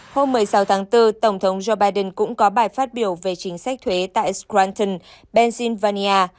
hôm một mươi sáu tháng bốn tổng thống joe biden cũng có bài phát biểu về chính sách thuế tại scranton bennsylvania